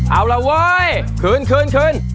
เอาละเว่ยคืน